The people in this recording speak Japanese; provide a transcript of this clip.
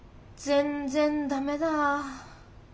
全然ダメだ。